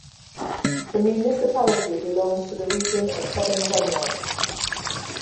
The municipality belongs to the Region of Southern Denmark.